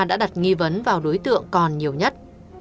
đã đặt nghi vấn vào đối tượng còn nhiều nhất